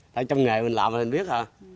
trong nghề mình làm mình biết